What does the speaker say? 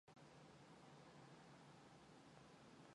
Туяатай уулзаад ярьсан бүхэн дэс дараалан сонстох шиг болж байсан билээ.